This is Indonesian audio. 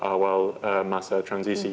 awal masa transisi